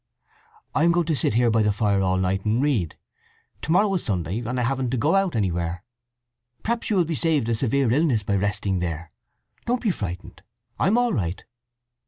"I am going to sit here by the fire all night, and read. To morrow is Sunday, and I haven't to go out anywhere. Perhaps you will be saved a severe illness by resting there. Don't be frightened. I'm all right.